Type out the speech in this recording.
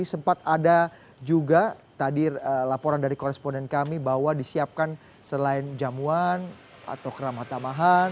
jadi sempat ada juga tadi laporan dari koresponen kami bahwa disiapkan selain jamuan atau keramah tamahan